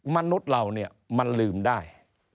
มนุษย์เราเนี่ยมันลืมได้